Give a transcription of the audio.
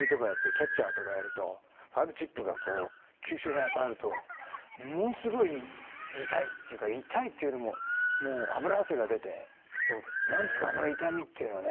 キャッチャーとかやるとファウルチップが急所に当たるとものすごい痛いっていうか痛いというよりももう脂汗が出て何つうかあの痛みっていうのはね。